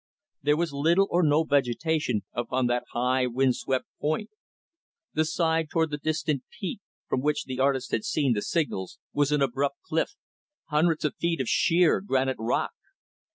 There was little or no vegetation upon that high, wind swept point. The side toward the distant peak from which the artist had seen the signals, was an abrupt cliff hundreds of feet of sheer, granite rock.